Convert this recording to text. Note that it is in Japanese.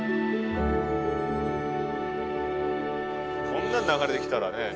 こんなん流れてきたらね。